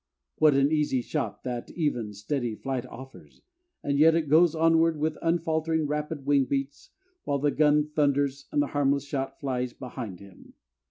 What an easy shot that even, steady flight offers, and yet it goes onward with unfaltering rapid wing beats, while the gun thunders and the harmless shot flies behind him.